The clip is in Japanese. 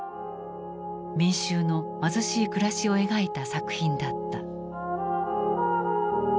民衆の貧しい暮らしを描いた作品だった。